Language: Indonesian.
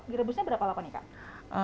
direbusnya berapa lakon kak